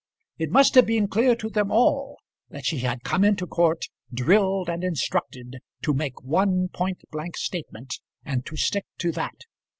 It must have been clear to them all that she had come into court drilled and instructed to make one point blank statement, and to stick to that.